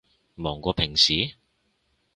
忙過平時？